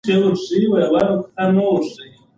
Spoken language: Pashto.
هغه وویل، د ژور ګلابي رنګ مثال ورته هماغه دی.